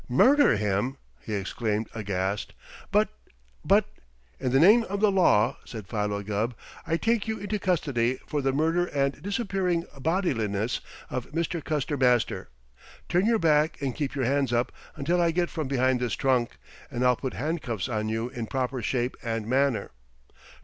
"Murder him!" he exclaimed aghast. "But but " "In the name of the law," said Philo Gubb, "I take you into custody for the murder and disappearing bodyliness of Mister Custer Master. Turn your back and keep your hands up until I get from behind this trunk, and I'll put handcuffs on you in proper shape and manner.